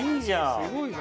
すごいな。